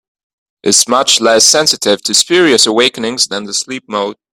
Is much less sensitive to spurious awakenings than the sleep mode.